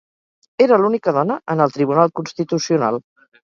Era l'única dona en el Tribunal Constitucional.